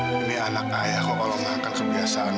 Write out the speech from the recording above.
ini anak ayahku kalau gak akan kebiasaan